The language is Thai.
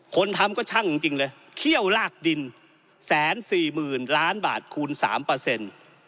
คนทำก็ช่างจริงจริงเลยเขี้ยวลากดินแสนสี่หมื่นล้านบาทคูณสามเปอร์เซ็นต์